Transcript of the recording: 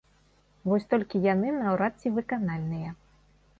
Вось толькі яны наўрад ці выканальныя.